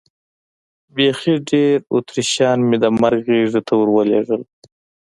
بیخي ډېر اتریشیان مې د مرګ غېږې ته ور ولېږل.